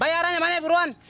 bayaran yang mana ya buruan